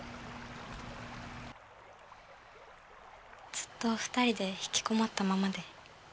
ずっと２人で引きこもったままで。